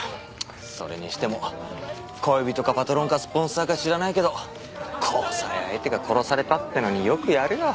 それにしても恋人かパトロンかスポンサーか知らないけど交際相手が殺されたっていうのによくやるよ。